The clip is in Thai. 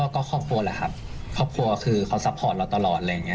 ก็ครอบครัวแหละครับครอบครัวคือเขาซัพพอร์ตเราตลอด